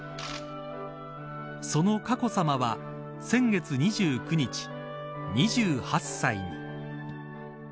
その佳子さまは先月２９日２８歳に。